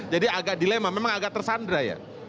jadi agak dilema memang agak tersandra ya